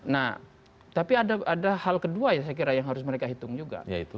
nah tapi ada hal kedua ya saya kira yang harus mereka hitung juga